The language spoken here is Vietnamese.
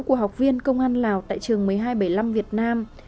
của học viên công an lào tại trường một mươi hai trăm bảy mươi năm việt nam